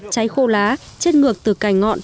cháy khô lá chết ngược từ cành ngọn